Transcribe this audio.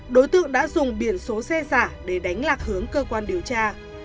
đối tượng đã dùng biển số xe giả để đánh lạc hướng cơ quan điều tra